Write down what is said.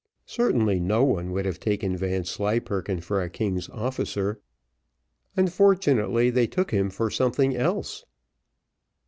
Certainly no one would have taken Vanslyperken for a king's officer unfortunately they took him for something else.